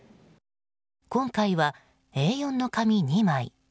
今回はＡ４の紙２枚。